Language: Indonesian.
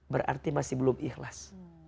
berarti masih belum ikhlas